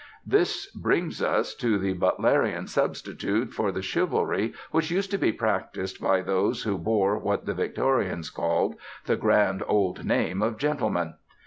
This brings us to the Butlerian substitute for the chivalry which used to be practised by those who bore what the Victorians called "the grand old name of gentleman."